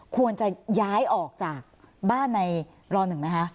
ควรจะย้ายออกจากบ้านในร๑ไหมคะ